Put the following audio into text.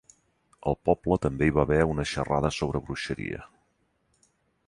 Al poble també hi va haver una xerrada sobre bruixeria.